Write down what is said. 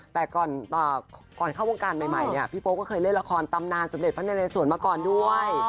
แต่ก่อนเข้าวงการใหม่เนี่ยพี่โป๊ก็เคยเล่นละครตำนานสมเด็จพระนเรสวนมาก่อนด้วย